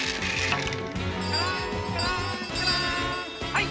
はい！